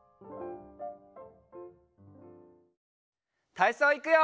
たいそういくよ！